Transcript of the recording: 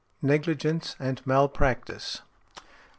NEGLIGENCE AND MALPRACTICE.